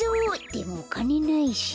でもおかねないし。